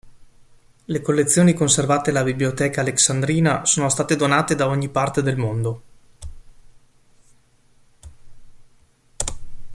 Le collezioni conservate alla Bibliotheca Alexandrina sono state donate da ogni parte del mondo.